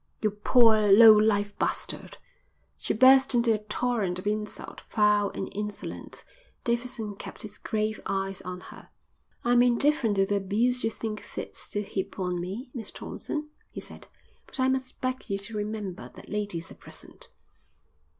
"You poor low life bastard." She burst into a torrent of insult, foul and insolent. Davidson kept his grave eyes on her. "I'm indifferent to the abuse you think fit to heap on me, Miss Thompson," he said, "but I must beg you to remember that ladies are present."